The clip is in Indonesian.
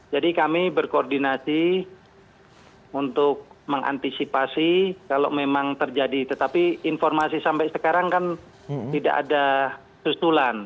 jadi kami berkoordinasi untuk mengantisipasi kalau memang terjadi tetapi informasi sampai sekarang kan tidak ada tersululan